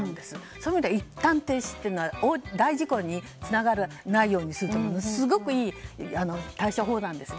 そういう意味ではいったん停止は、大事故につながらないようにするにはすごくいい対処法なんです。